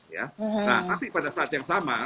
nah tapi pada saat yang sama